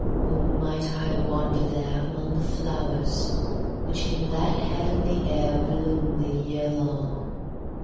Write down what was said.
O might I wander there, Among the flowers, which in that heavenly air 5 Bloom the year long!